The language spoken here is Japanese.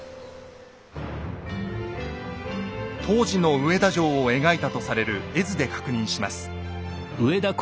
当時の上田城を描いたとされる絵図で確認します。